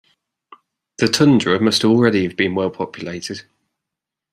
The tundra must already have been well populated.